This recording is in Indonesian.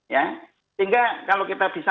ya sehingga kalau kita bisa